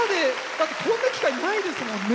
だってこんな機会ないですもんね。